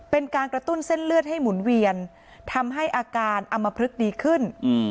เป็นการกระตุ้นเส้นเลือดให้หมุนเวียนทำให้อาการอำมพลึกดีขึ้น